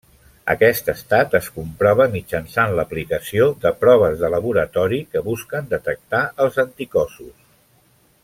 Aquest estat es comprova mitjançant l'aplicació de proves de laboratori que busquen detectar els anticossos.